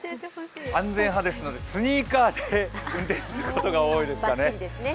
安全派ですのでスニーカーで運転することが多いですかね。